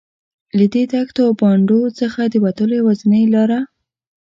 له دې دښتو او بانډو څخه د وتلو یوازینۍ لاره.